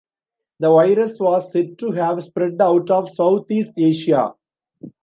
The virus was said to have spread out of Southeast Asia.